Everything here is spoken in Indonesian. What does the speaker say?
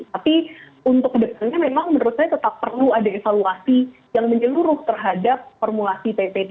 tapi untuk kebetulannya memang menurut saya tetap perlu ada evaluasi yang menyeluruh terhadap formulasi pp tiga puluh enam dua ribu dua puluh satu